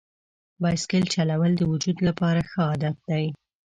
بایسکل چلول د وجود لپاره ښه عادت دی.